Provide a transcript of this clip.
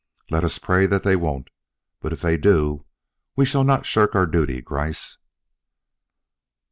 "Let us pray that they won't. But if they do, we shall not shirk our duty, Gryce."